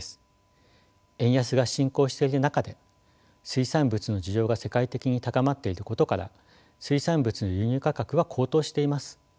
円安が進行している中で水産物の需要が世界的に高まっていることから水産物の輸入価格は高騰しています。